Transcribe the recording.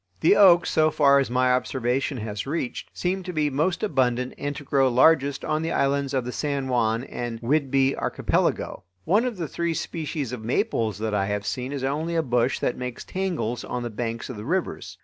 The oaks, so far as my observation has reached, seem to be most abundant and to grow largest on the islands of the San Juan and Whidbey Archipelago. One of the three species of maples that I have seen is only a bush that makes tangles on the banks of the rivers.